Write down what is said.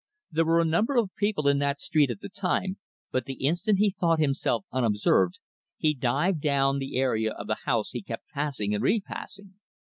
There were a number of people in that street at the time, but the instant he thought himself unobserved, he dived down the area of the house he kept passing and repassing.